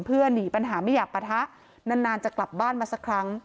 เพื่อหนีปัญหาไม่อยากปะทะนานจะกลับบ้านมาสักครั้ง